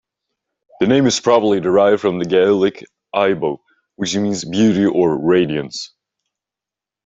The name is probably derived from the Gaelic "aoibh", which means "beauty" or "radiance".